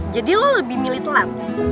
jadi lo lebih milih telat